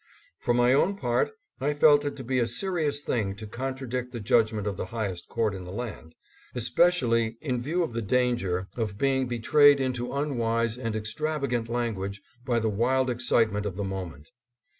For my own part I felt it to be a serious thing to contradict the judgment of the highest court in the land, especially in view of the danger of being betrayed into unwise and extrava gant language by the wild excitement of the moment.